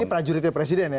ini prajuritnya presiden ya